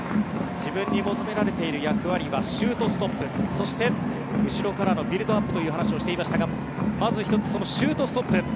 自分に求められている役割はシュートストップそして、後ろからのビルドアップという話をしていましたがまず１つそのシュートストップ。